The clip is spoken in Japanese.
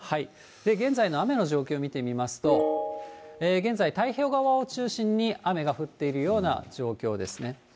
現在の雨の状況を見てみますと、現在、太平洋側を中心に雨が降っているような状況ですね。